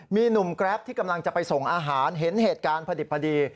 มีหนุ่มแกรปที่กำลังจะไปส่งอาหารเห็นเหตุการณ์พอดิบพอดี